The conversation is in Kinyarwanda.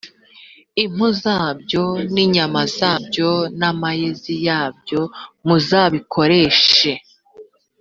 impu zabyo n’inyama zabyo n’amayezi yabyo muzabikoreshe